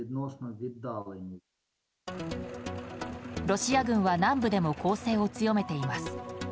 ロシア軍は南部でも攻勢を強めています。